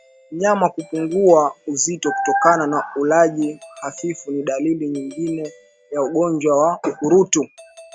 Mnyama kupungua uzito kutokana na ulaji hafifu ni dalili nyingine ya ugonjwa wa ukurutu